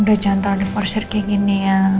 udah jangan tau di forci kayak gini ya